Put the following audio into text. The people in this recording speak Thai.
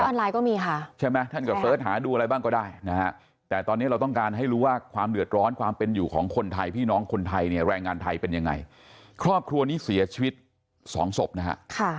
ไลน์ก็มีค่ะใช่ไหมท่านก็เสิร์ชหาดูอะไรบ้างก็ได้นะฮะแต่ตอนนี้เราต้องการให้รู้ว่าความเดือดร้อนความเป็นอยู่ของคนไทยพี่น้องคนไทยเนี่ยแรงงานไทยเป็นยังไงครอบครัวนี้เสียชีวิตสองศพนะฮะ